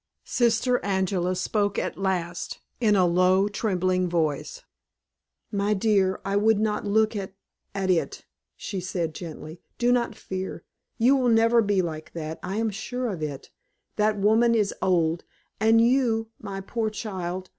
Sister Angela spoke at last in a low, trembling voice. "My dear, I would not look at at it," she said, gently. "Do not fear. You will never be like that; I am sure of it. That woman is old, and you, my poor child!